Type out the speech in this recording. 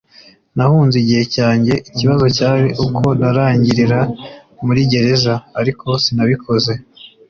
nahunze igihe cyanjye. ikibazo cyari uko narangirira muri gereza, ariko sinabikoze